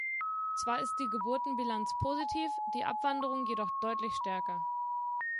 Zwar ist die Geburtenbilanz positiv, die Abwanderung jedoch deutlich stärker.